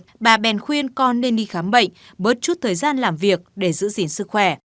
hèn khuyên con nên đi khám bệnh bớt chút thời gian làm việc để giữ gìn sức khỏe